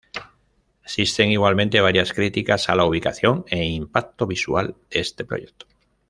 Existen igualmente, varias críticas a la ubicación e impacto visual de este proyecto.